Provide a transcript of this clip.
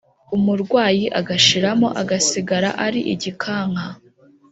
umurwayi agashiramo, agasigara ari igikanka.